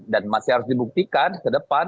dan masih harus dibuktikan ke depan